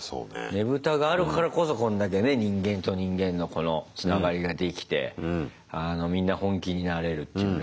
ねぶたがあるからこそこんだけね人間と人間のこのつながりができてみんな本気になれるっていうね。